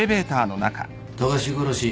富樫殺し